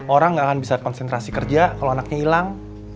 orang nggak akan bisa konsentrasi kerja kalau anaknya hilang